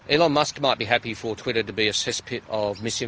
elon musk mungkin senang untuk twitter menjadi sasaran pahala dan kejahatan